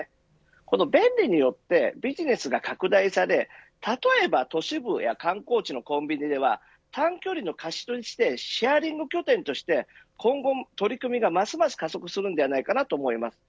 この便利によってビジネスが拡大され例えばと都市部や観光地のコンビニでは短距離の貸し乗りでシェアリング拠点として、今後も取り組みがますます加速するんではないかなと思います。